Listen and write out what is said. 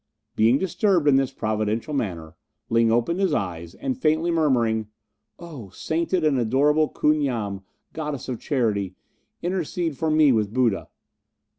Being disturbed in this providential manner, Ling opened his eyes, and faintly murmuring, "Oh, sainted and adorable Koon Yam, Goddess of Charity, intercede for me with Buddha!"